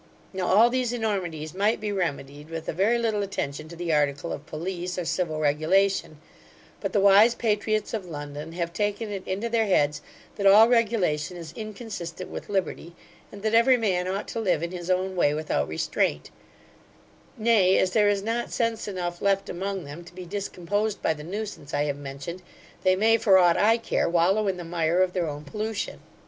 Now, all these enormities might be remedied with a very little attention to the article of police, or civil regulation; but the wise patriots of London have taken it into their heads, that all regulation is inconsistent with liberty; and that every man ought to live in his own way, without restraint Nay, as there is not sense enough left among them, to be discomposed by the nuisance I have mentioned, they may, for aught I care, wallow in the mire of their own pollution.